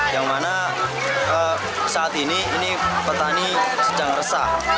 yang mana saat ini ini petani sedang resah